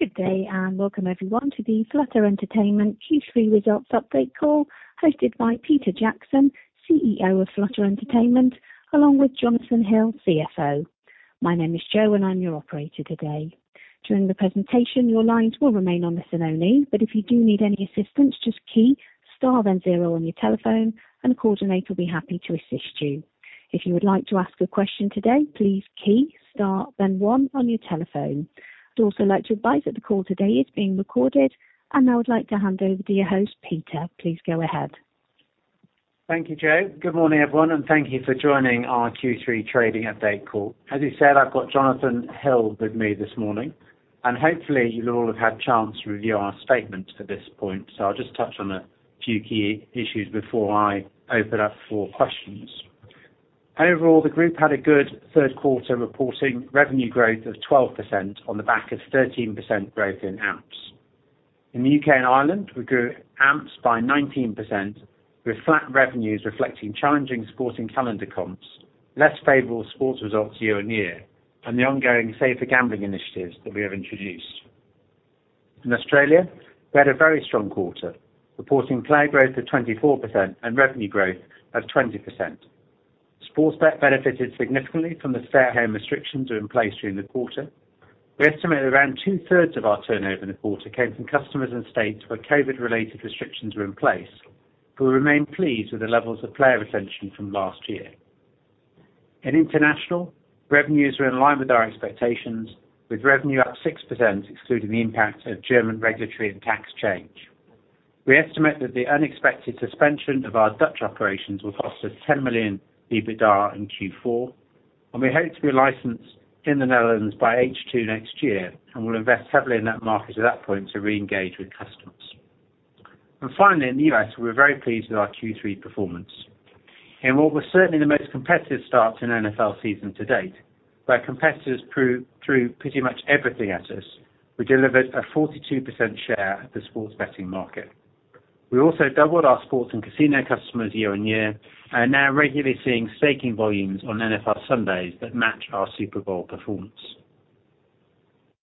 Good day and welcome everyone to the Flutter Entertainment Q3 results update call hosted by Peter Jackson, CEO of Flutter Entertainment, along with Jonathan Hill, CFO. My name is Jo and I'm your operator today. During the presentation, your lines will remain on listen only, but if you do need any assistance, just key star then zero on your telephone and a coordinator will be happy to assist you. If you would like to ask a question today, please key star then one on your telephone. I'd also like to advise that the call today is being recorded and I would like to hand over to your host, Peter. Please go ahead. Thank you, Jo. Good morning, everyone, and thank you for joining our Q3 trading update call. As you said, I've got Jonathan Hill with me this morning and hopefully you will all have had a chance to review our statement at this point, so I'll just touch on a few key issues before I open up for questions. Overall, the group had a good third quarter, reporting revenue growth of 12% on the back of 13% growth in AMPs. In the U.K. and Ireland, we grew AMPs by 19% with flat revenues reflecting challenging sporting calendar comps, less favorable sports results year-on-year, and the ongoing safer gambling initiatives that we have introduced. In Australia, we had a very strong quarter, reporting player growth of 24% and revenue growth of 20%. Sportsbet benefited significantly from the stay-at-home restrictions that are in place during the quarter. We estimate around two-thirds of our turnover in the quarter came from customers in states where COVID-related restrictions were in place. We remain pleased with the levels of player retention from last year. In international, revenues are in line with our expectations, with revenue up 6%, excluding the impact of German regulatory and tax change. We estimate that the unexpected suspension of our Dutch operations will cost us 10 million EBITDA in Q4, and we hope to be licensed in the Netherlands by H2 next year and will invest heavily in that market at that point to reengage with customers. Finally, in the U.S., we're very pleased with our Q3 performance. In what was certainly the most competitive start to an NFL season to date, where competitors threw pretty much everything at us, we delivered a 42% share of the sports betting market. We also doubled our sports and casino customers year-on-year, and are now regularly seeing staking volumes on NFL Sundays that match our Super Bowl performance.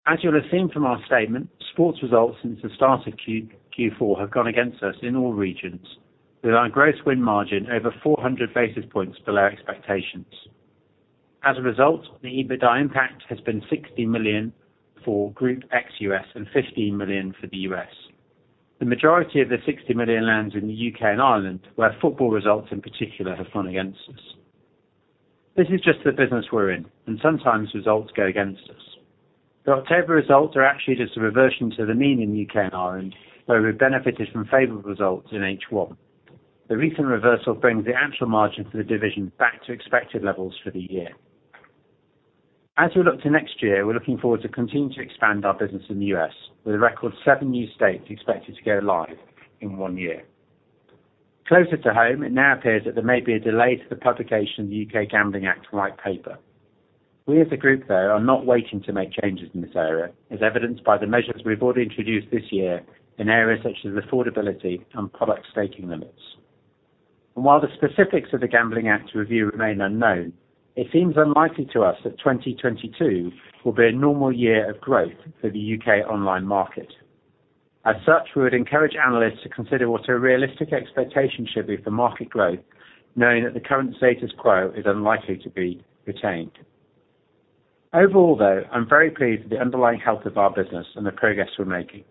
As you'll have seen from our statement, sports results since the start of Q4 have gone against us in all regions, with our gross win margin over 400 basis points below expectations. As a result, the EBITDA impact has been 60 million for group ex U.S. and $15 million for the U.S. The majority of the 60 million lands in the U.K. and Ireland, where football results in particular have gone against us. This is just the business we're in, and sometimes results go against us. The October results are actually just a reversion to the mean in U.K. and Ireland, where we benefited from favorable results in H1. The recent reversal brings the actual margin for the division back to expected levels for the year. As we look to next year, we're looking forward to continue to expand our business in the U.S. with a record seven new states expected to go live in one year. Closer to home, it now appears that there may be a delay to the publication of the U.K. Gambling Act White Paper. We as a group, though, are not waiting to make changes in this area as evidenced by the measures we've already introduced this year, in areas such as affordability and product staking limits. While the specifics of the Gambling Act review remain unknown, it seems unlikely to us that 2022, will be a normal year of growth for the U.K. online market. As such, we would encourage analysts to consider what a realistic expectation should be for market growth, knowing that the current status quo is unlikely to be retained. Overall, though, I'm very pleased with the underlying health of our business and the progress we're making.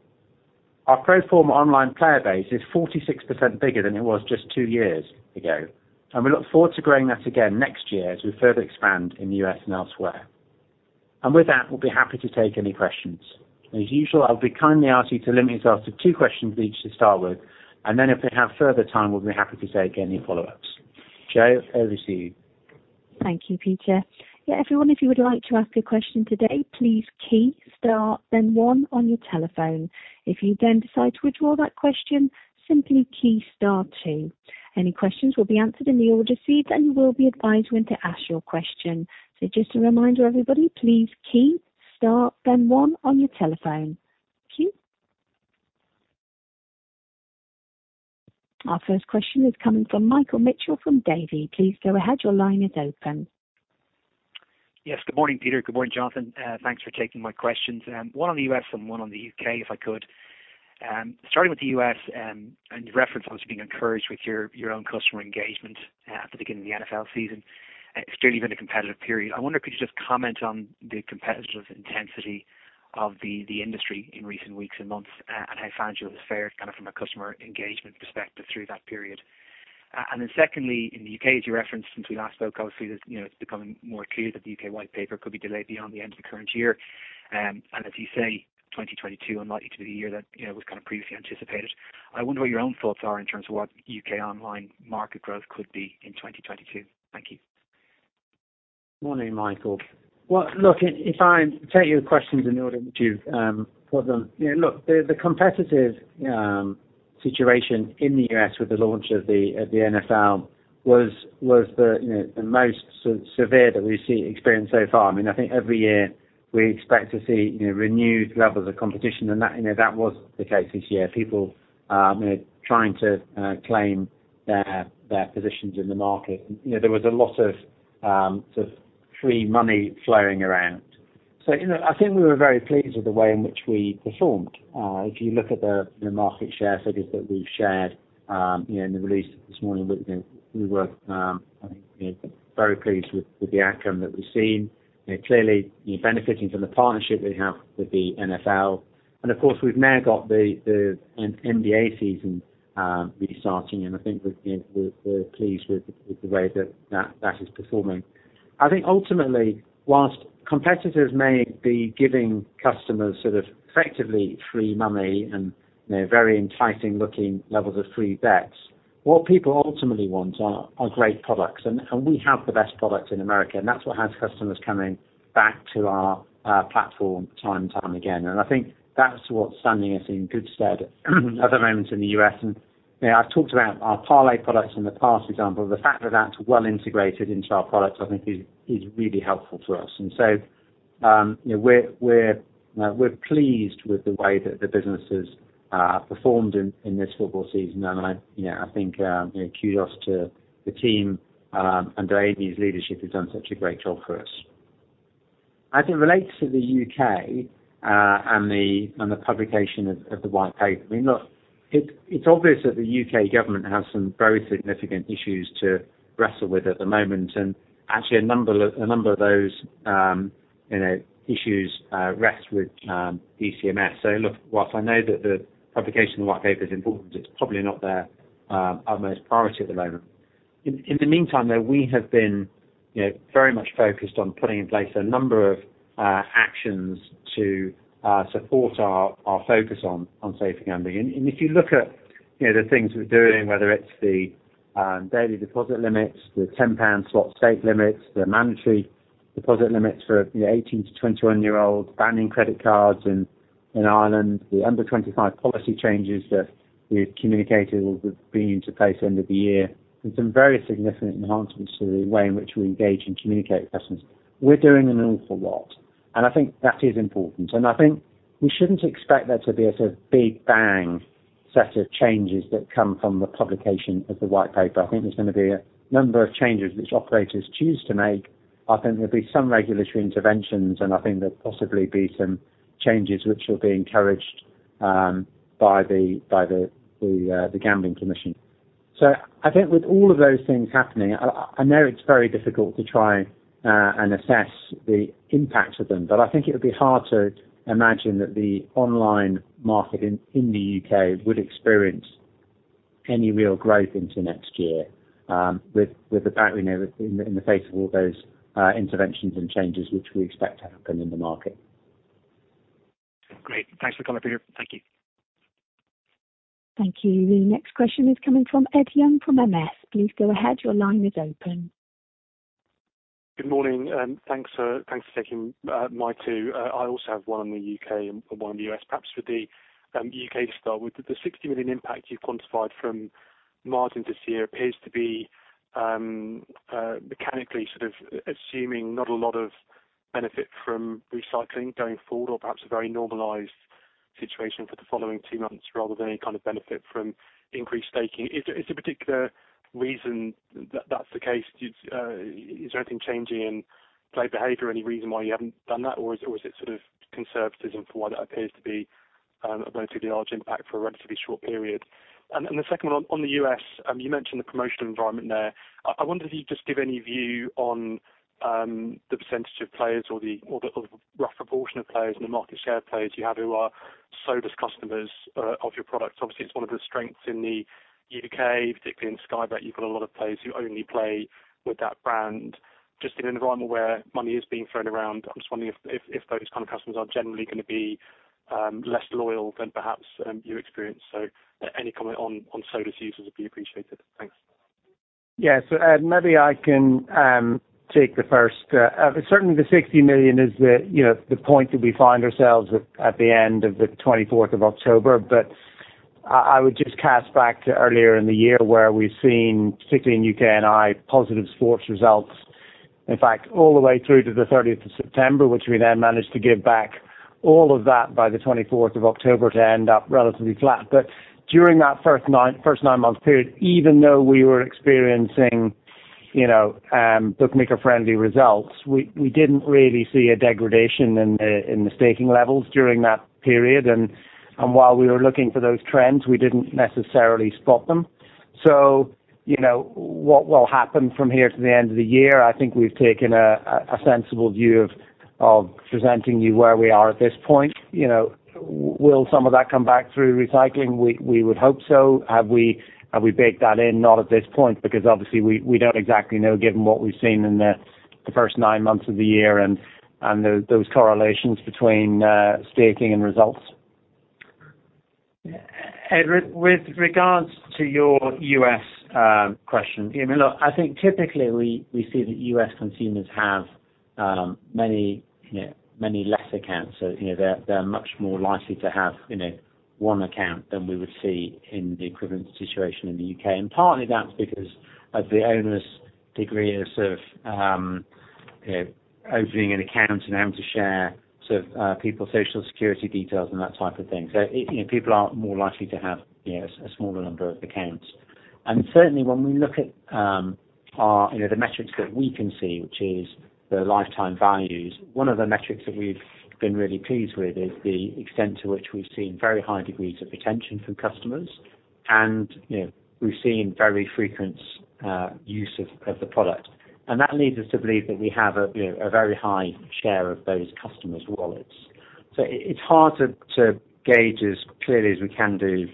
Our pro forma online player base is 46% bigger than it was just two years ago, and we look forward to growing that again next year as we further expand in the U.S. and elsewhere. With that, we'll be happy to take any questions. As usual, I would kindly ask you to limit yourself to two questions each to start with, and then if we have further time, we'll be happy to take any follow-ups. Jo, over to you. Thank you, Peter. Yeah, everyone, if you would like to ask a question today, please key star then one on your telephone. If you then decide to withdraw that question, simply key star two. Any questions will be answered in the order received, and you will be advised when to ask your question. Just a reminder, everybody, please key star then one on your telephone. Thank you. Our first question is coming from Michael Mitchell from Davy. Please go ahead. Your line is open. Yes, good morning, Peter. Good morning, Jonathan. Thanks for taking my questions. One on the U.S. and one on the U.K., if I could. Starting with the U.S., in reference, I was being encouraged with your own customer engagement at the beginning of the NFL season. It's clearly been a competitive period. I wonder if you could just comment on the competitive intensity, of the industry in recent weeks and months, and how you found it was fair kind of from a customer engagement perspective through that period. Then secondly, in the U.K., as you referenced since we last spoke, obviously there's, you know, it's becoming more clear that the U.K. White Paper could be delayed beyond the end of the current year. As you say, 2022 unlikely to be the year that, you know, was kind of previously anticipated. I wonder what your own thoughts are in terms of what U.K. online market growth could be in 2022. Thank you. Morning, Michael. Well, look, if I take your questions in the order that you've put them. You know, look, the competitive, situation in the U.S. with the launch of the NFL was the, you know, the most severe that we've experienced so far. I mean, I think every year we expect to see, you know, renewed levels of competition and that, you know, that was the case this year. People, you know, trying to claim their positions in the market. You know, there was a lot of sort of free money flowing around. So, you know, I think we were very pleased with the way in which we performed. If you look at the market share figures that we've shared, you know, in the release this morning, we were, I think, very pleased with the outcome that we've seen. You know, clearly benefiting from the partnership we have with the NFL. Of course, we've now got the NBA season restarting, and I think we're pleased with the way that is performing. I think ultimately, while competitors may be giving customers sort of effectively free money and, you know, very enticing looking levels of free bets, what people ultimately want are great products. We have the best products in America, and that's what has customers coming back to our platform time and time again. I think that's what's standing us in good stead at the moment in the U.S. You know, I've talked about our parlay products in the past example. The fact that that's well integrated into our product, I think is really helpful to us. You know, we're pleased with the way that the business has performed in this football season. I think kudos to the team under Amy's leadership, who's done such a great job for us. As it relates to the U.K., and the publication of the White Paper, I mean, look, it's obvious that the U.K. government has some very significant issues to wrestle with at the moment. Actually a number of those issues rest with DCMS. Look, while I know that the publication of the White Paper is important, it's probably not their utmost priority at the moment. In the meantime, though, we have been, you know, very much focused on putting in place a number of actions to support our focus on safe gambling. If you look at, you know, the things we're doing, whether it's the daily deposit limits, the £10 slot stake limits, the mandatory deposit limits for, you know, 18- to 21-year-olds, banning credit cards in Ireland, the under 25 policy changes that we've communicated will be in place end of the year, and some very significant enhancements to the way in which we engage and communicate with customers. We're doing an awful lot, and I think that is important. I think we shouldn't expect there to be a sort of big bang set of changes that come from the publication of the White Paper. I think there's gonna be a number of changes which operators choose to make. I think there'll be some regulatory interventions, and I think there'll possibly be some changes which will be encouraged by the Gambling Commission. I think with all of those things happening, I know it's very difficult to try and assess the impact of them. I think it would be hard to imagine that the online market in the U.K. would experience any real growth into next year with the fact we know in the face of all those interventions and changes which we expect to happen in the market. Great. Thanks for the color, Peter. Thank you. Thank you. The next question is coming from Ed Young from MS. Please go ahead. Your line is open. Good morning, and thanks for taking my two. I also have one on the U.K. and one on the U.S. Perhaps for the U.K. to start with. The 60 million impact you've quantified from margin this year appears to be mechanically sort of assuming not a lot of benefit from recycling going forward or perhaps a very normalized situation for the following two months rather than any kind of benefit from increased staking. Is there a particular reason that's the case? Is there anything changing in play behavior, any reason why you haven't done that? Or is it sort of conservatism for what appears to be a relatively large impact for a relatively short period? The second one on the U.S., you mentioned the promotional environment there. I wonder if you could just give any view on the percentage of players or the rough proportion of players and the market share players you have who are sole-use customers of your product. Obviously, it's one of the strengths in the U.K., particularly in Sky Bet. You've got a lot of players who only play with that brand. Just in an environment where money is being thrown around, I'm just wondering if those kind of customers are generally gonna be less loyal than perhaps you experienced. Any comment on sole-use users would be appreciated. Thanks. Yeah. Ed, maybe I can take the first. Certainly the 60 million is the point that we find ourselves at the end of the 24th of October. I would just cast back to earlier in the year where we've seen, particularly in the U.K. and Italy, positive sports results, in fact, all the way through to the 30th of September, which we then managed to give back all of that by the 24th of October to end up relatively flat. During that first nine-month period, even though we were experiencing bookmaker-friendly results, we didn't really see a degradation in the staking levels during that period. While we were looking for those trends, we didn't necessarily spot them. What will happen from here to the end of the year, I think we've taken a sensible view of presenting you where we are at this point. Will some of that come back through recycling? We would hope so. Have we baked that in? Not at this point, because obviously we don't exactly know given what we've seen in the first nine months of the year and those correlations between staking and results. Ed, with regards to your U.S. question, I mean, look, I think typically we see that U.S. consumers have many less accounts. They're much more likely to have one account than we would see in the equivalent situation in the U.K. Partly that's because of the onerous degree of sort of, you know, opening an account and having to share sort of, people's Social Security details and that type of thing. You know, people are more likely to have, you know, a smaller number of accounts. Certainly when we look at, our, you know, the metrics that we can see, which is the lifetime values, one of the metrics that we've been really pleased with is the extent to which we've seen very high degrees of retention from customers. You know, we've seen very frequent, use of the product. That leads us to believe that we have a, you know, a very high share of those customers' wallets. It's hard to gauge as clearly as we can do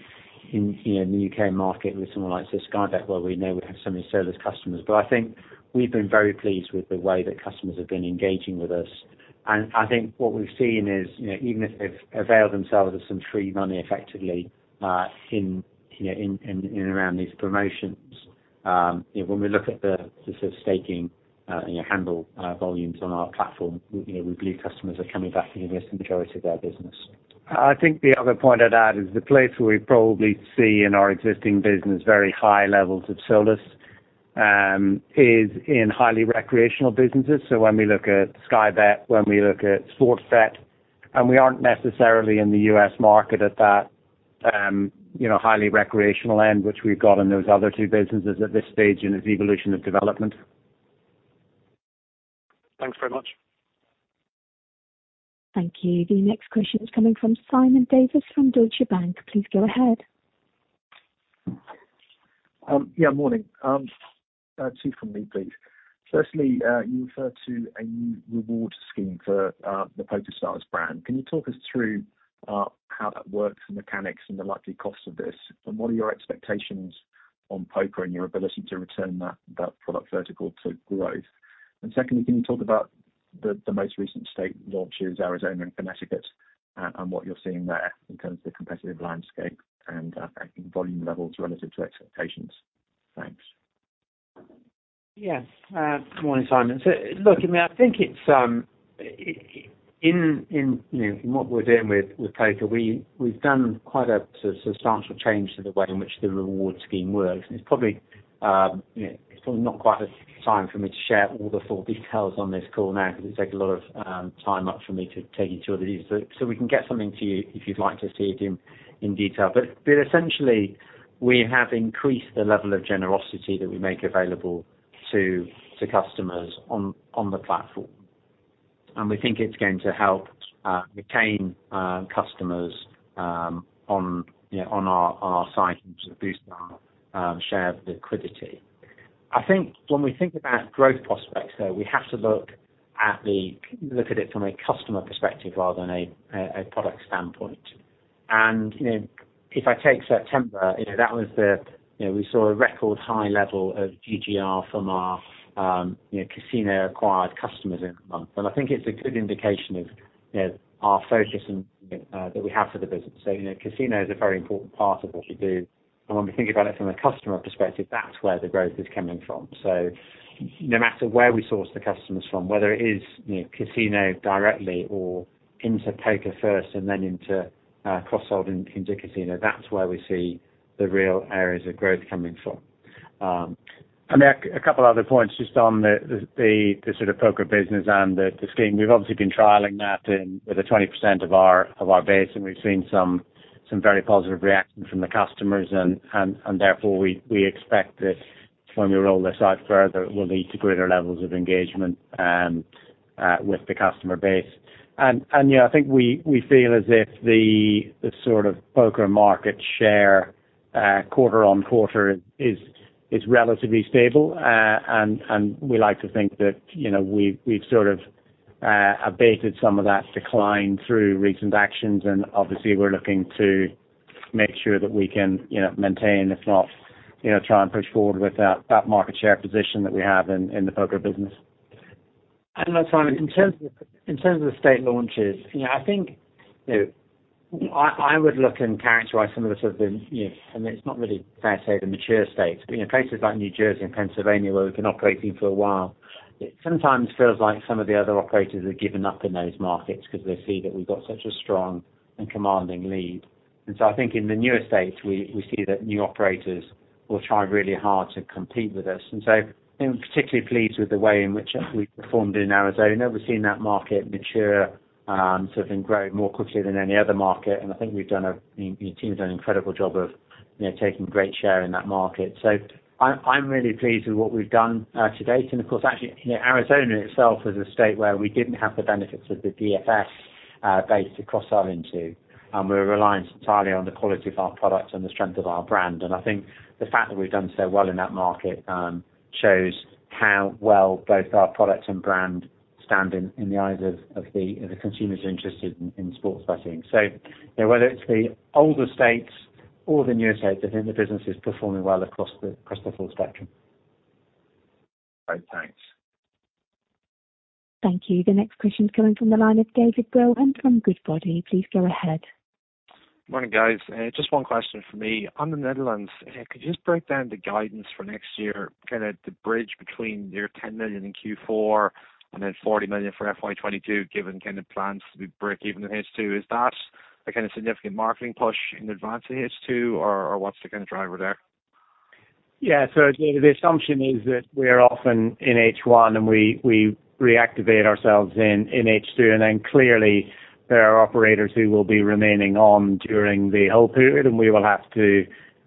in, you know, in the U.K. market with someone like Sky Bet, where we know we have so many surplus customers. I think we've been very pleased with the way that customers have been engaging with us. I think what we've seen is, you know, even if they've availed themselves of some free money effectively, in, you know, in and around these promotions, you know, when we look at the sort of staking, you know, handle volumes on our platform, you know, we believe customers are coming back for the vast majority of their business. I think the other point I'd add is the place where we probably see in our existing business very high levels of surplus is in highly recreational businesses. when we look at Sky Bet, when we look at Sportsbet, and we aren't necessarily in the U.S. market at that, you know, highly recreational end, which we've got in those other two businesses at this stage in its evolution of development. Thanks very much. Thank you. The next question is coming from Simon Davies from Deutsche Bank. Please go ahead. Morning. Two from me, please. Firstly, you refer to a new reward scheme for the PokerStars brand. Can you talk us through how that works, the mechanics and the likely cost of this? What are your expectations on poker and your ability to return that product vertical to growth? Secondly, can you talk about the most recent state launches, Arizona and Connecticut, and what you're seeing there in terms of the competitive landscape and volume levels relative to expectations? Thanks. Yeah. Good morning, Simon. Look, I mean, I think it's in what we're doing with poker, we've done quite a substantial change to the way in which the reward scheme works, and it's probably, you know, not quite the time for me to share all the full details on this call now because it takes a lot of time up for me to take you through all of these. We can get something to you if you'd like to see it in detail. Essentially we have increased the level of generosity that we make available to customers on the platform. We think it's going to help retain customers on our site and to boost our share of liquidity. I think when we think about growth prospects, though, we have to look at it from a customer perspective rather than a product standpoint. You know, if I take September, you know, that was the, you know, we saw a record high level of GGR from our, you know, casino-acquired customers in the month. I think it's a good indication of, you know, our focus and, you know, that we have for the business. You know, casino is a very important part of what we do. When we think about it from a customer perspective, that's where the growth is coming from. No matter where we source the customers from, whether it is, you know, casino directly or into poker first and then into, cross-selling into casino, that's where we see the real areas of growth coming from. I mean, a couple other points just on the sort of poker business and the scheme. We've obviously been trialing that in with 20% of our base, and we've seen, some very positive reactions from the customers and therefore we expect that when we roll this out further, it will lead to greater levels of engagement with the customer base. You know, I think we feel as if the sort of poker market share quarter-on-quarter is relatively stable. We like to think that, you know, we've sort of abated some of that decline through recent actions. Obviously we're looking to make sure that we can, you know, maintain, if not, you know, try and push forward with that market share position that we have in the poker business. Look, Simon, in terms of the state launches, you know, I think, you know, I would look and characterize some of the sort of the, you know, I mean, it's not really fair to say the mature states, but you know, places like New Jersey and Pennsylvania where we've been operating for a while, it sometimes feels like some of the other operators have given up in those markets because they see that we've got such a strong and commanding lead. I think in the newer states, we see that new operators will try really hard to compete with us. You know, I'm particularly pleased with the way in which we've performed in Arizona. We've seen that market mature, sort of, and grow more quickly than any other market. I think the team's done an incredible job of, you know, taking great share in that market. I'm really pleased with what we've done to date. Of course, actually, you know, Arizona itself is a state where we didn't have the benefits of the DFS base to cross-sell into, and we're reliant entirely on the quality of our products and the strength of our brand. I think the fact that we've done so well in that market shows how well both our products and brand stand in the eyes of the consumers interested in sports betting. You know, whether it's the older states or the newer states, I think the business is performing well across the full spectrum. Great. Thanks. Thank you. The next question is coming from the line of David Brohan from Goodbody. Please go ahead. Morning, guys. Just one question for me. On the Netherlands, could you just break down the guidance for next year, kind of the bridge between your $10 million in Q4 and then $40 million for FY 2022, given kind of plans to break even in H2? Is that a kind of significant marketing push in advance of H2, or what's the kind of driver there? Yeah. The assumption is that we're often in H1 and we reactivate ourselves in H2. Then clearly there are operators who will be remaining on during the whole period, and we will have to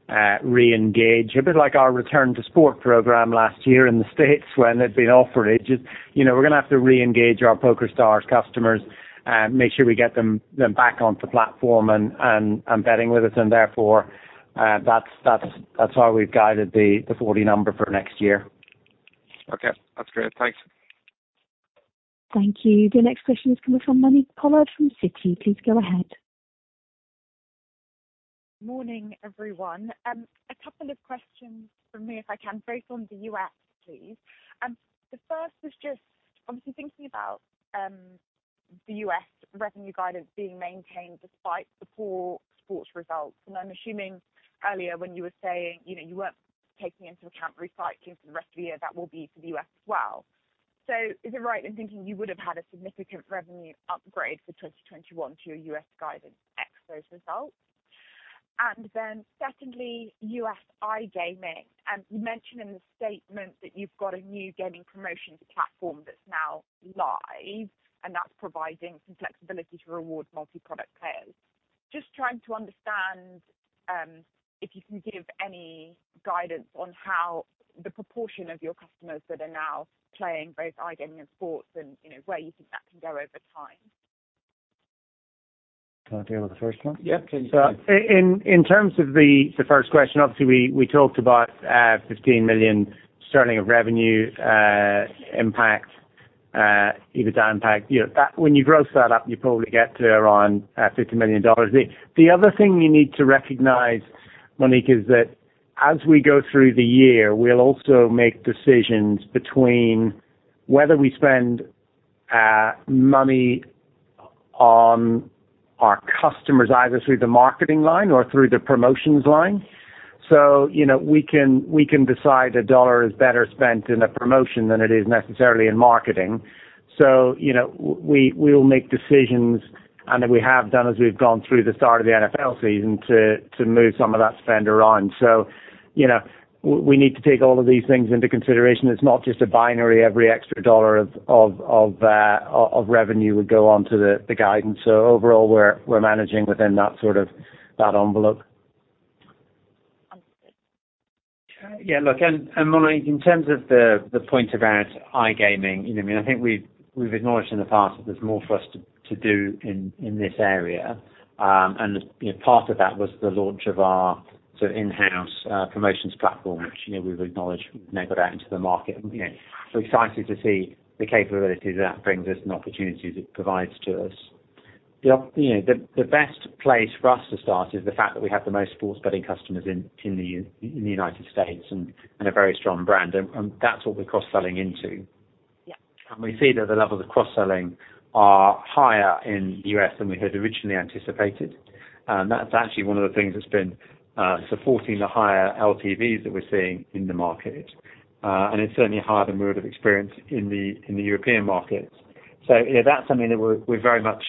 reengage. A bit like our Return to Sport program last year in the States when they'd been offered. It just. You know, we're gonna have to reengage our PokerStars customers, make sure we get them back onto the platform and betting with us, and therefore, that's why we've guided the 40 number for next year. Okay. That's great. Thanks. Thank you. The next question is coming from Monique Pollard from Citi. Please go ahead. Morning, everyone. A couple of questions from me, if I can, both on the U.S., please. The first was just obviously thinking about the U.S. revenue guidance being maintained despite the poor sports results. I'm assuming earlier when you were saying, you know, you weren't taking into account recycling for the rest of the year, that will be for the U.S. as well. So is it right in thinking you would have had a significant revenue upgrade for 2021 to your U.S. guidance ex those results? Then secondly, U.S. iGaming. You mentioned in the statement that you've got a new gaming promotions platform that's now live, and that's providing some flexibility to reward multi-product players. Just trying to understand, if you can give any guidance on how, the proportion of your customers that are now playing both iGaming and sports and, you know, where you think that can go over time? Do you wanna deal with the first one? Yeah. Please go ahead. In terms of the first question, obviously we talked about 15 million sterling of revenue impact, EBITDA impact. You know, that when you gross that up, you probably get to around $50 million. The other thing you need to recognize, Monique, is that as we go through the year, we'll also make decisions between, whether we spend money on our customers, either through the marketing line or through the promotions line. You know, we can decide a dollar is better spent in a promotion than it is necessarily in marketing. You know, we will make decisions, and that we have done as we've gone through the start of the NFL season to move some of that spend around. You know, we need to take all of these things into consideration. It's not just a binary every extra dollar of revenue would go on to the guidance. Overall we're managing within that sort of envelope. Understood. Yeah, look, and Monique, in terms of the point about iGaming, you know, I mean, I think we've acknowledged in the past that there's more for us to do in this area. And you know, part of that was the launch of our sort of in-house promotions platform, which, you know, we've acknowledged now got out into the market. You know, so excited to see the capabilities that brings us and opportunities it provides to us. You know, the best place for us to start is the fact that we have the most sports betting customers in the United States and a very strong brand. That's what we're cross-selling into. Yeah. We see that the levels of cross-selling are higher in the U.S. than we had originally anticipated. That's actually one of the things that's been supporting the higher LTVs that we're seeing in the market. It's certainly higher than we would have experienced in the European markets. You know, that's something that we're very much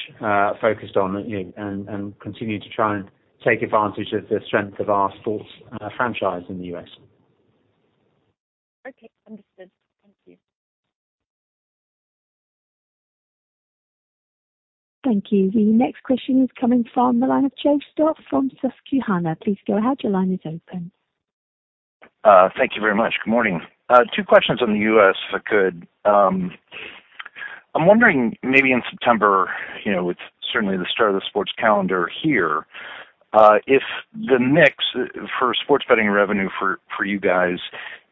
focused on, you know, and continue to try and take advantage of the strength of our sports franchise in the U.S. Okay. Understood. Thank you. Thank you. The next question is coming from the line of Joe Stauff from Susquehanna. Please go ahead. Your line is open. Thank you very much. Good morning. Two questions on the U.S., if I could. I'm wondering maybe in September, you know, it's certainly the start of the sports calendar here, if the mix for sports betting revenue for you guys,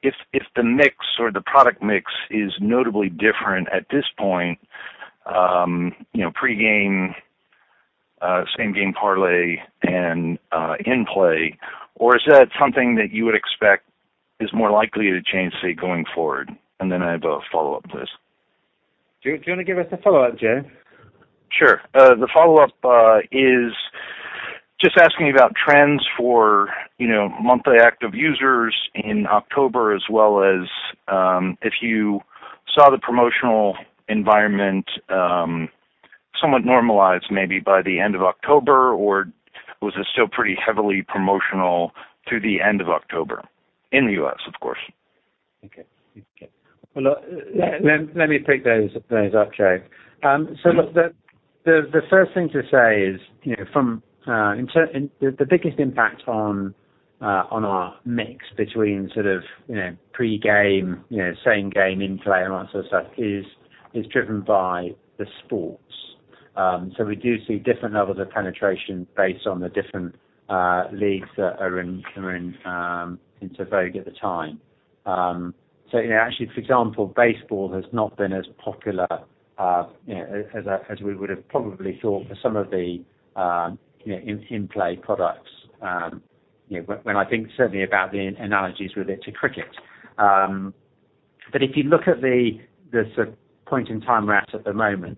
if the mix or the product mix is notably different at this point, you know, pre-game, Same Game Parlay and in-play, or is that something that you would expect is more likely to change, say, going forward? I have a follow-up to this. Do you wanna give us the follow-up, Joe? Sure. The follow-up is just asking about trends for, you know, monthly active users in October, as well as, if you saw the promotional environment, somewhat normalized maybe by the end of October, or was it still pretty heavily promotional through the end of October? In the U.S., of course. Okay. Well, let me pick those up, Joe. So look, the first thing to say is, you know, from the biggest impact on our mix between sort of, you know, pre-game, you know, same game in play and all that sort of stuff is driven by the sports. So we do see different levels of penetration based on the different, leagues that are in vogue at the time. So, you know, actually for example baseball has not been as popular, you know, as we would have probably thought for some of the, you know, in play products. You know, when I think certainly about the analogies with it to cricket. If you look at the sort of point in time we're at at the moment,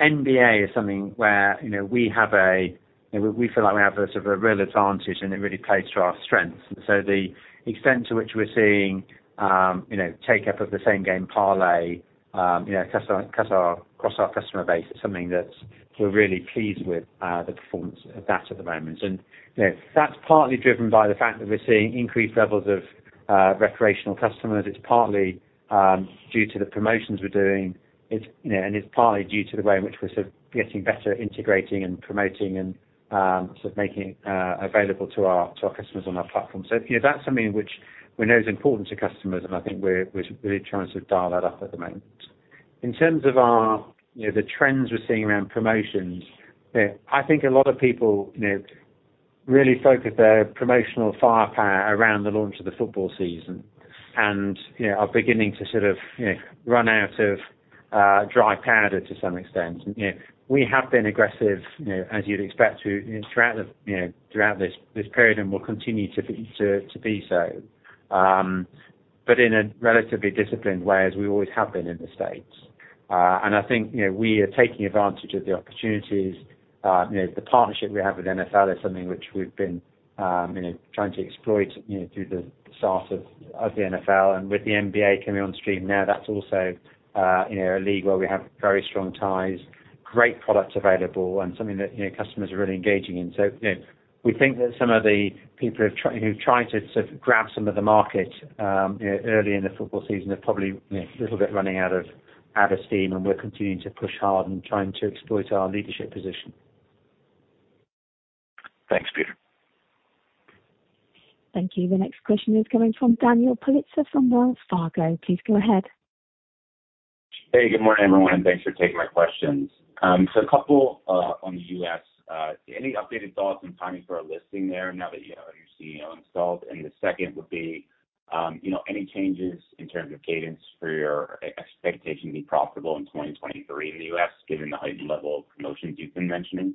NBA is something where, you know, we feel like we have a sort of a real advantage and it really plays to our strengths. The extent to which we're seeing, you know, take up of the Same Game Parlay, you know, across our customer base is something that we're really pleased with, the performance of that at the moment. You know, that's partly driven by the fact that we're seeing increased levels of recreational customers. It's partly due to the promotions we're doing. It's, you know, and it's partly due to the way in which we're sort of getting better at integrating and promoting and, sort of making, available to our customers on our platform. You know, that's something which we know is important to customers, and I think we're really trying to dial that up at the moment. In terms of our, you know, the trends we're seeing around promotions, I think a lot of people, you know, really focus their promotional firepower around the launch of the football season and, you know, are beginning to sort of, you know, run out of dry powder to some extent. You know, we have been aggressive, you know, as you'd expect throughout this period, and we'll continue to be so, but in a relatively disciplined way as we always have been in the States. I think, you know, we are taking advantage of the opportunities. You know, the partnership we have with NFL is something which we've been trying to exploit, you know, through the start of the NFL and with the NBA coming on stream now, that's also a league where we have very strong ties, great products available and something that, you know, customers are really engaging in. You know, we think that some of the people who've tried to sort of grab some of the market, you know, early in the football season are probably, you know, a little bit running out of steam, and we're continuing to push hard and trying to exploit our leadership position. Thanks, Peter. Thank you. The next question is coming from Dan Politzer from Wells Fargo. Please go ahead. Hey, good morning, everyone, and thanks for taking my questions. So a couple on the U.S. Any updated thoughts on timing for our listing there now that you have your CEO installed? The second would be, you know, any changes in terms of cadence for your expectation to be profitable in 2023 in the U.S., given the heightened level of promotions you've been mentioning?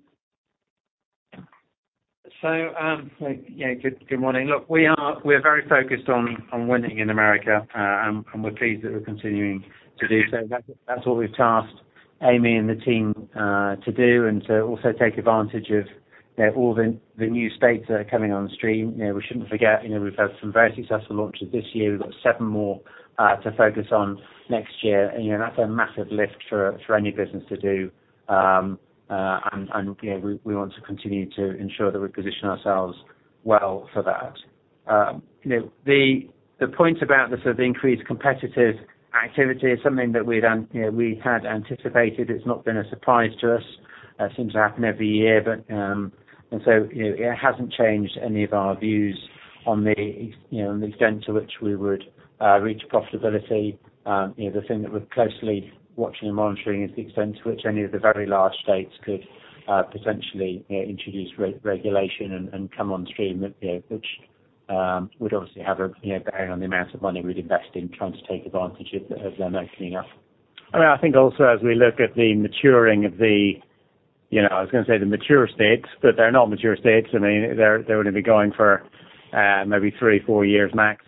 Good morning. Look, we're very focused on winning in America, and we're pleased that we're continuing to do so. That's what we've tasked Amy and the team to do and to also take advantage of, you know, all the new states that are coming on stream. You know, we shouldn't forget, you know, we've had some very successful launches this year. We've got seven more to focus on next year. You know, that's a massive lift for any business to do. You know, we want to continue to ensure that we position ourselves well for that. You know, the point about the sort of increased competitive activity is something that we'd anticipated. It's not been a surprise to us. Seems to happen every year, but and so, you know, it hasn't changed any of our views on the you know, on the extent to which we would reach profitability. You know, the thing that we're closely watching and monitoring is the extent to which any of the very large states could potentially, you know, introduce re-regulation and come on stream, you know, which would obviously have a bearing on the amount of money we'd invest in trying to take advantage of them opening up. I mean, I think also as we look at the maturing of the, you know, I was gonna say the mature states, but they're not mature states. I mean, they're only been going for maybe three, four years max.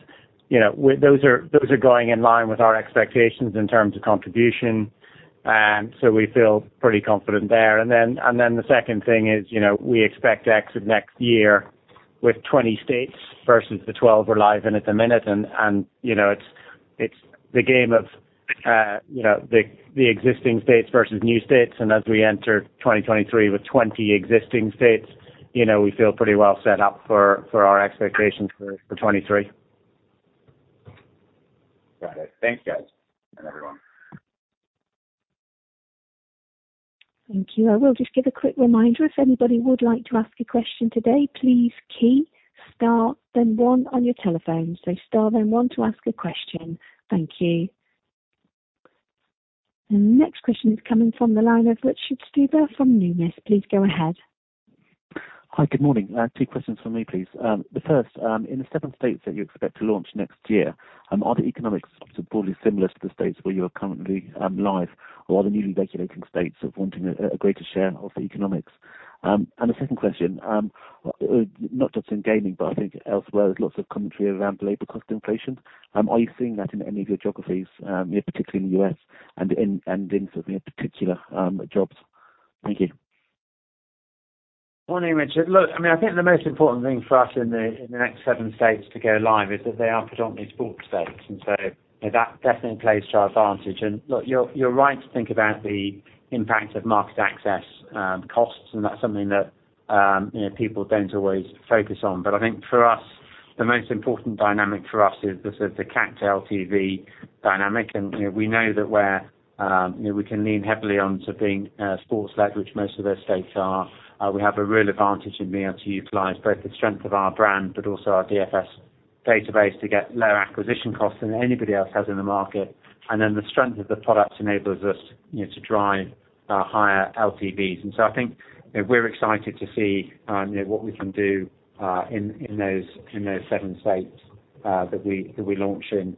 You know, those are going in line with our expectations in terms of contribution, so we feel pretty confident there. The second thing is, you know, we expect to exit next year with 20 states versus the 12 we're live in at the minute. You know, it's the game of, you know, the existing states versus new states, and as we enter 2023 with 20 existing states, you know, we feel pretty well set up for our expectations for 2023. Got it. Thanks, guys and everyone. Thank you. I will just give a quick reminder. If anybody would like to ask a question today, please key star then one on your telephone. So star, then one to ask a question. Thank you. The next question is coming from the line of Richard Stuber from Numis. Please go ahead. Hi, good morning. Two questions from me, please. The first, in the seven states that you expect to launch next year, are the economics sort of broadly similar to the states where you are currently live, or are the newly regulating states sort of wanting a greater share of the economics? The second question, not just in gaming, but I think elsewhere, there's lots of commentary around labor cost inflation. Are you seeing that in any of your geographies, you know, particularly in the U.S. and sort of, you know, particular jobs? Thank you. Morning, Richard. Look, I mean, I think the most important thing for us in the next seven states to go live is that they are predominantly sports states, and so, you know, that definitely plays to our advantage. Look, you're right to think about the impact of market access costs, and that's something that, you know, people don't always focus on. I think for us, the most important dynamic for us is the sort of CAC to LTV dynamic. You know, we know that we can lean heavily on sort of being sports led, which most of those states are. We have a real advantage in being able to utilize both the strength of our brand, but also our DFS database to get lower acquisition costs than anybody else has in the market. The strength of the products enables us, you know, to drive higher LTVs. I think, you know, we're excited to see, you know, what we can do in those seven states that we launch in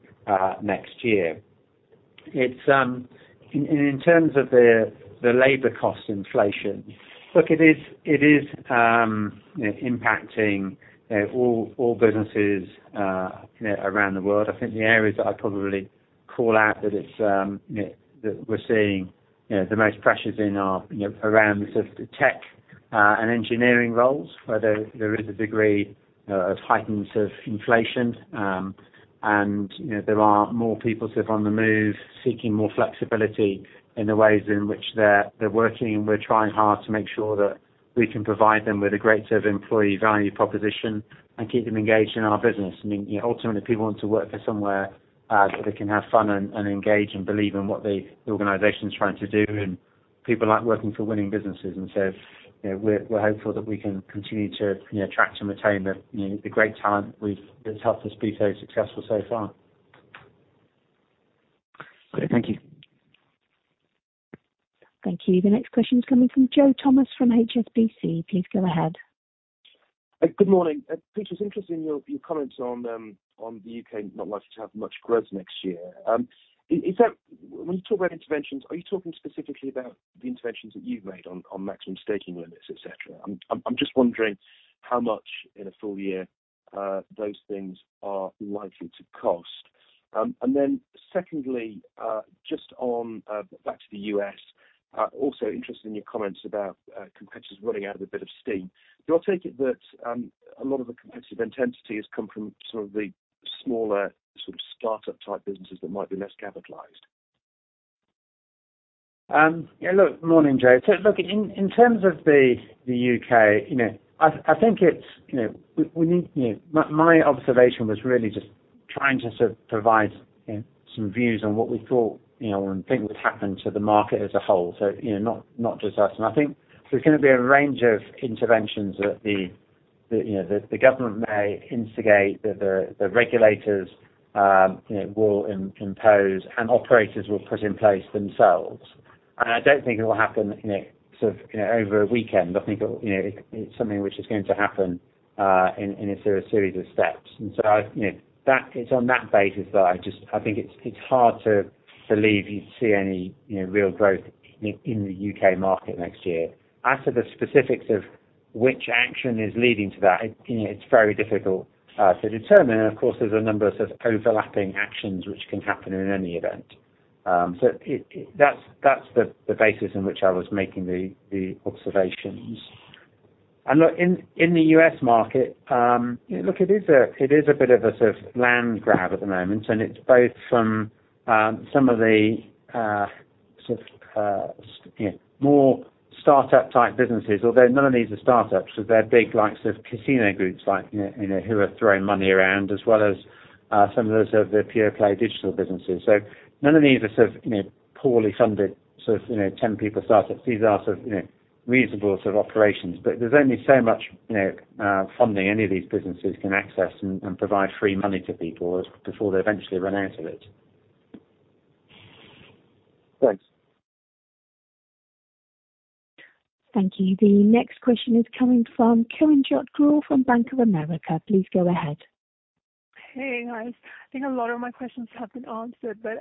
next year. It is in terms of the labor cost inflation, look, it is impacting, you know, all businesses, you know, around the world. I think the areas that I'd probably call out that we're seeing, you know, the most pressures in are, you know, around the sort of the tech and engineering roles, where there is a degree of heightened sort of inflation. You know, there are more people sort of on the move seeking more flexibility in the ways in which they're working, and we're trying hard to make sure that we can provide them with a great set of employee value proposition, and keep them engaged in our business. I mean, you know, ultimately, people want to work for somewhere so they can have fun and engage and believe in what the organization's trying to do, and people like working for winning businesses. You know, we're hopeful that we can continue to attract and retain the great talent that's helped us be very successful so far. Great. Thank you. Thank you. The next question is coming from Joseph Thomas from HSBC. Please go ahead. Good morning. Peter, it's interesting your comments on the U.K. not likely to have much growth next year. Is that when you talk about interventions, are you talking specifically about the interventions that you've made on maximum staking limits, et cetera? I'm just wondering how much in a full year those things are likely to cost. Secondly, just on back to the U.S., also interested in your comments about competitors running out of a bit of steam. Do I take it that a lot of the competitive intensity has come from sort of the smaller, sort of startup type businesses that might be less capitalized? Yeah, look, morning Joe. Look, in terms of the U.K., you know, I think it's, you know, we need, you know. My observation was really just trying to sort of provide, you know, some views on what we thought, you know, when things would happen to the market as a whole. You know, not just us. I think there's gonna be a range of interventions that the government may instigate, the regulators, you know, will impose and operators will put in place themselves. I don't think it will happen, you know, sort of, you know, over a weekend. I think, you know, it's something which is going to happen in a series of steps. I, you know, it's on that basis that I just. I think it's hard to believe you'd see any, you know, real growth in the U.K. market next year. As to the specifics of which action is leading to that, you know, it's very difficult to determine. Of course, there's a number of sort of overlapping actions which can happen in any event. That's the basis in which I was making the observations. Look, in the U.S. market, look, it is a bit of a sort of land grab at the moment, and it's both from some of the sort of you know, more startup type businesses, although none of these are startups. There are the likes of casino groups like, you know, who are throwing money around as well as some of those pure play digital businesses. None of these are sort of, you know, poorly funded sort of, you know, 10-person startups. These are sort of, you know, reasonable sort of operations, but there's only so much, you know, funding any of these businesses can access and provide free money to people before they eventually run out of it. Thanks. Thank you. The next question is coming from Kiranjot Kaur from Bank of America. Please go ahead. Hey, guys. I think a lot of my questions have been answered, but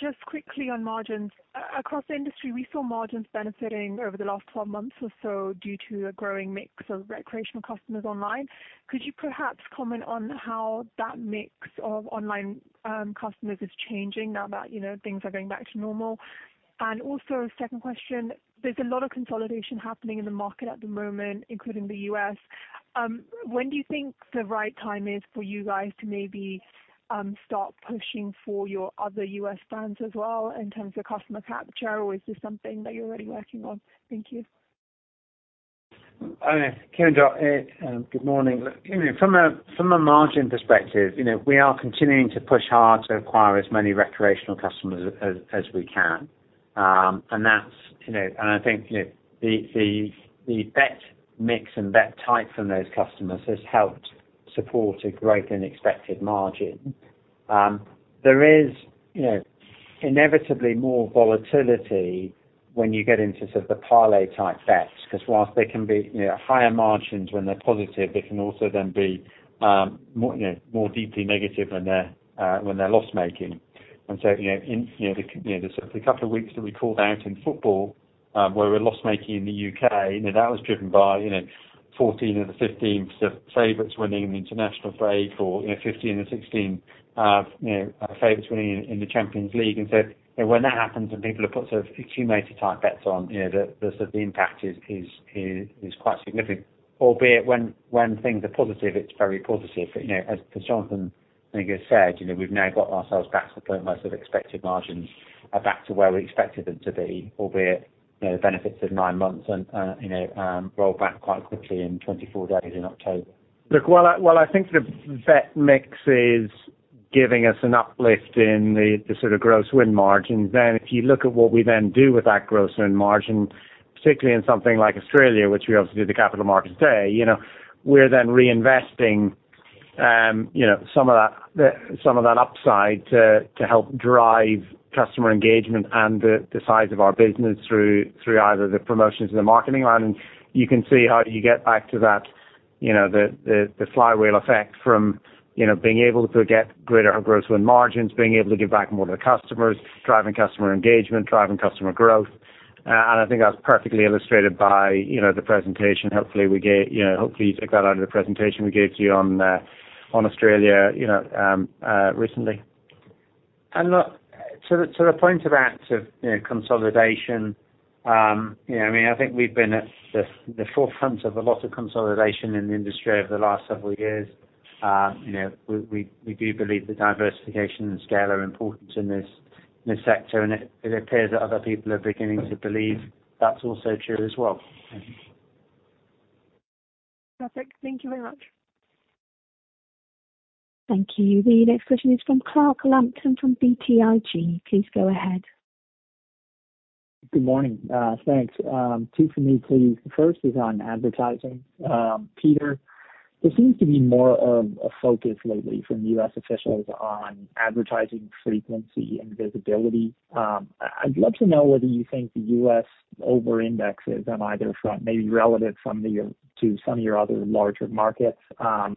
just quickly on margins. Across the industry, we saw margins benefiting over the last 12 months or so due to a growing mix of recreational customers online. Could you perhaps comment on how that mix of online customers is changing now that, you know, things are going back to normal? Also second question, there's a lot of consolidation happening in the market at the moment, including the U.S. When do you think the right time is for you guys to maybe start pushing for your other U.S. brands as well in terms of customer capture? Or is this something that you're already working on? Thank you. Okay. Kiranjot, good morning. Look, you know, from a margin perspective, you know, we are continuing to push hard to acquire as many recreational customers as we can. That's, you know. I think, you know, the bet mix and bet type from those customers has helped support a greater than expected margin. There is, you know, inevitably more volatility, when you get into sort of the parlay type bets, 'cause whilst they can be, you know, higher margins when they're positive, they can also then be more, you know, more deeply negative when they're loss-making. You know, in the sort of couple of weeks that we called out in football, where we're loss-making in the U.K., you know, that was driven by 14 or the 15 sort of favorites winning an international break or, you know, 15 or 16 favorites winning in the Champions League. You know, when that happens and people have put sort of accumulator type bets on, you know, the sort of impact is quite significant. Albeit when things are positive, it's very positive. You know, as Jonathan, I think I said, you know, we've now got ourselves back to the point where sort of expected margins are back to where we expected them to be, albeit, you know, the benefits of nine months and rolled back quite quickly in 24 days in October. Look, I think the bet mix is giving us an uplift in the sort of gross win margins. Then if you look at what we then do with that gross win margin, particularly in something like Australia, which we obviously do the capital markets day, you know, we're then reinvesting some of that upside to help drive customer engagement and the size of our business through either the promotions or the marketing line. You can see how you get back to that, the flywheel effect from being able to get greater gross win margins, being able to give back more to the customers, driving customer engagement, driving customer growth. I think that's perfectly illustrated by the presentation. Hopefully you took that out of the presentation we gave to you on Australia recently. Look, to the point about consolidation, I mean, I think we've been at the forefront of a lot of consolidation in the industry over the last several years. You know, we do believe the diversification and scale are important in this sector, and it appears that other people are beginning to believe that's also true as well. Perfect. Thank you very much. Thank you. The next question is from Clark Lampen from BTIG. Please go ahead. Good morning. Thanks. Two for me, please. The first is on advertising. Peter, there seems to be more of a focus lately from the U.S. officials on advertising frequency and visibility. I'd love to know whether you think the U.S. over-indexes on either front, maybe relative to some of your other larger markets. Or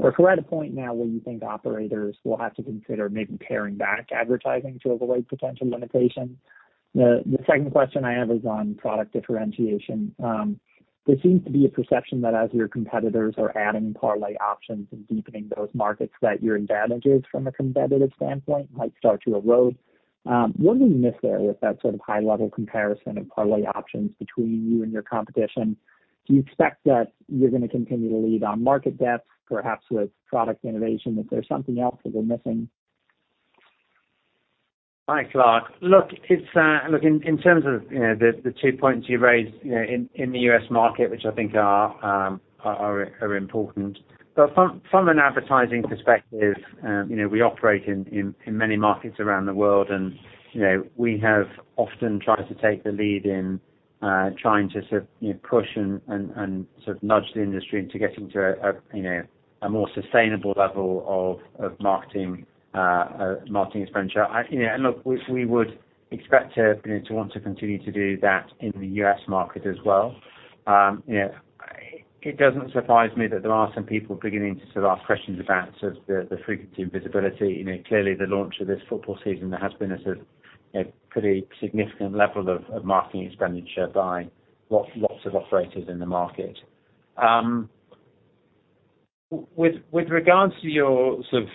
if we're at a point now where you think operators will have to consider maybe paring back advertising to avoid potential limitations. The second question I have is on product differentiation. There seems to be a perception that as your competitors are adding parlay options and deepening those markets, that your advantages from a competitive standpoint might start to erode. What did we miss there with that sort of high level comparison of parlay options between you and your competition? Do you expect that you're gonna continue to lead on market depth, perhaps with product innovation? If there's something else that we're missing. Hi, Clark. In terms of, you know, the two points you raised, you know, in the U.S. market, which I think are important. From an advertising perspective, you know, we operate in many markets around the world and, you know, we have often tried to take the lead in trying to sort of, you know, push and sort of nudge the industry into getting to a more sustainable level of marketing expenditure. You know, look, we would expect to want to continue to do that in the U.S. market as well. You know, it doesn't surprise me that there are some people beginning to sort of ask questions about sort of the frequency and visibility. You know, clearly the launch of this football season, there has been a sort of, you know, pretty significant level of marketing expenditure by lots of operators in the market. With regards to your sort of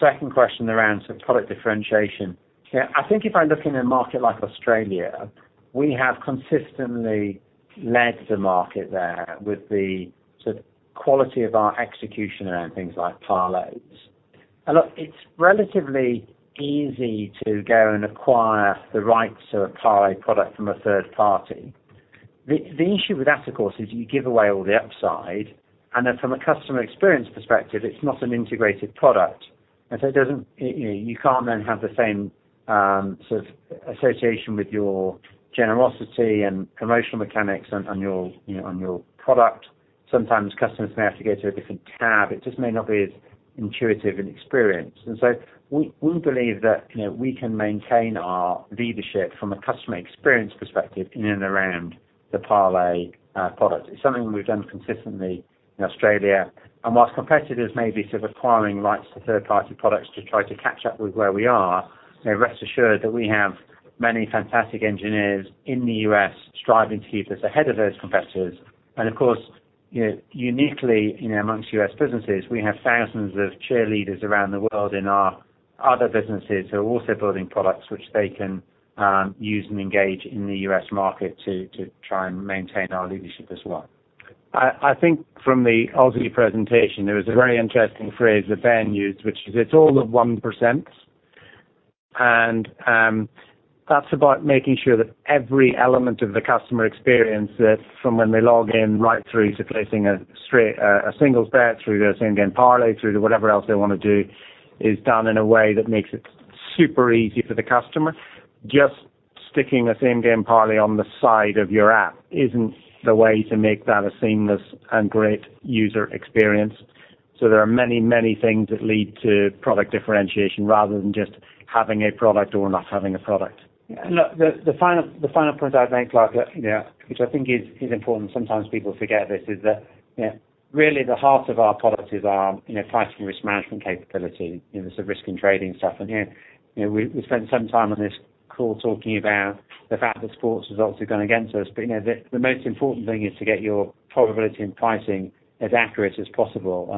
second question around sort of product differentiation, you know, I think if I look in a market like Australia, we have consistently led the market there with the sort of quality of our execution around things like parlays. Look, it's relatively easy to go and acquire the rights to a parlay product from a third party. The issue with that of course, is you give away all the upside and then from a customer experience perspective, it's not an integrated product. It doesn't, you know, you can't then have the same sort of association with your generosity and promotional mechanics on your product. Sometimes customers may have to go to a different tab. It just may not be as intuitive an experience. We believe that, you know, we can maintain our leadership from a customer experience perspective in and around the parlay product. It's something we've done consistently in Australia. While competitors may be sort of acquiring rights to third party products to try to catch up with where we are, you know, rest assured that we have many fantastic engineers in the U.S. striving to keep us ahead of those competitors. Of course, you know, uniquely, you know, among U.S. businesses, we have thousands of cheerleaders around the world in our other businesses who are also building products which they can use and engage in the U.S. market to try and maintain our leadership as well. I think from the Aussie presentation, there was a very interesting phrase that Ben used, which is, "It's all the one percents." That's about making sure that every element of the customer experience that from when they log in right through to placing a straight, a singles bet through to a Same Game Parlay through to whatever else they wanna do, is done in a way that makes it super easy for the customer. Just sticking the Same Game Parlay on the side of your app isn't the way to make that a seamless and great user experience. There are many, many things that lead to product differentiation rather than just having a product or not having a product. Look, the final point I'd make, Clark Lampen, look, you know, which I think is important, sometimes people forget this, is that, you know, really the heart of our products is our, you know, pricing risk management capability, you know, sort of risk and trading stuff. You know, we spent some time on this call talking about the fact that sports results are going against us. You know, the most important thing is to get your probability and pricing as accurate as possible.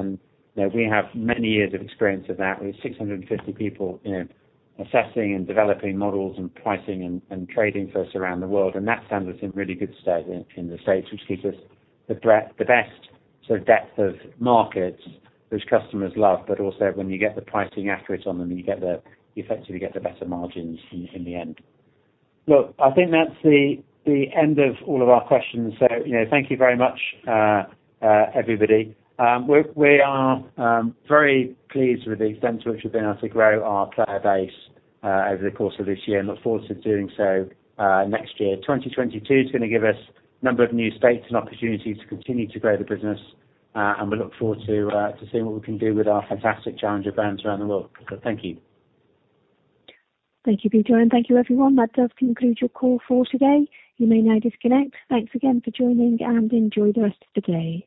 You know, we have many years of experience of that with 650 people, you know, assessing and developing models and pricing and trading for us around the world. That stands us in really good stead in the States, which gives us the best sort of depth of markets which customers love, but also when you get the pricing accurate on them, you effectively get the better margins in the end. Look, I think that's the end of all of our questions. You know, thank you very much, everybody. We are very pleased with the extent to which we've been able to grow our player base over the course of this year and look forward to doing so next year. 2022 is gonna give us a number of new states, an opportunity to continue to grow the business, and we look forward to seeing what we can do with our fantastic challenger brands around the world. Thank you. Thank you, Peter, and thank you everyone. That does conclude your call for today. You may now disconnect. Thanks again for joining and enjoy the rest of the day.